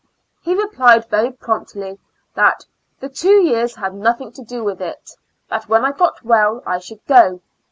He replied very promptly, that the two years had nothing to do with it ; that when I got well I should go."